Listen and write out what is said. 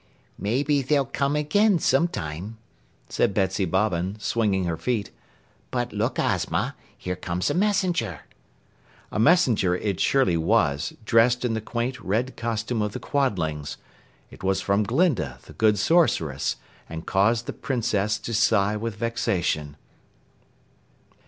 "Maybe they'll come again some time," said Betsy Bobbin, swinging her feet. "But look, Ozma, here comes a messenger." A messenger it surely was, dressed in the quaint red costume of the Quadlings. It was from Glinda, the Good Sorceress, and caused the Princess to sigh with vexation.